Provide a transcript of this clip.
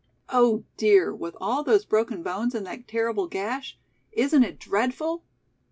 "Oh, dear, with all those broken bones and that terrible gash! Isn't it dreadful?"